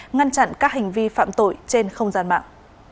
ngăn chặn các hành vi phạm tội trên không gian mạng